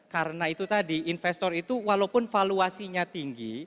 karena itu tadi investor itu walaupun valuasinya tinggi